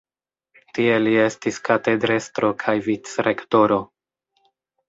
Tie li estis katedrestro kaj vicrektoro.